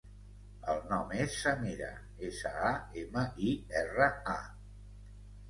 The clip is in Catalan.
El nom és Samira: essa, a, ema, i, erra, a.